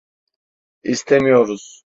İstemiyoruz.